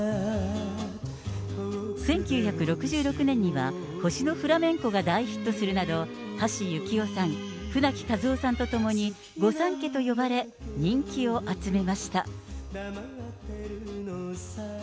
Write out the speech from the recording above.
１９６６年には星のフラメンコが大ヒットするなど、橋幸夫さん、舟木一夫さんと共に御三家と呼ばれ、人気を集めました。